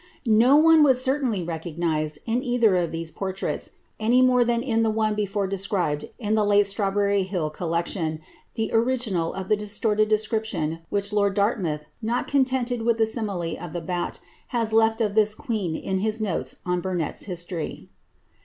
No one would certainly recognise, in either of these portraits, any more than in the one before described in the late Strawberry Hill col lection, the original of the distorted description which lord Dartmoath, not contented with the simile of the bat, has left of tliis queen in hii notes on Burnetts History.